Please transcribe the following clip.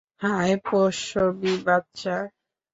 হাহ, পশমী বাচ্চা!